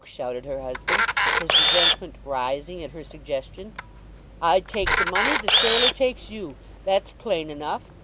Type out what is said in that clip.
shouted her husband, his resentment rising at her suggestion. "I take the money; the sailor takes you. That's plain enough.